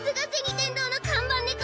天堂の看板ねこ！